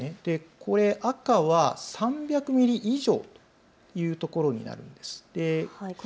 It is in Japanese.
これ、赤は３００ミリ以上、というところになるんです。